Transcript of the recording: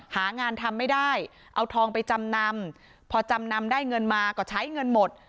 หางานทำไม่ได้เอาทองไปจำนำพอจำนำได้เงินมาก็ใช้เงินหมด